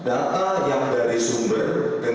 apa ilmu yang sudah ada di dalam flash disk